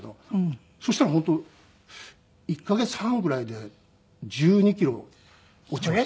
そしたら本当１カ月半ぐらいで１２キロ落ちました。